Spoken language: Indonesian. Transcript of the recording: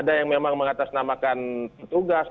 ada yang memang mengatasnamakan petugas